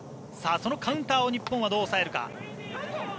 そのカウンターを日本はどう抑えるか。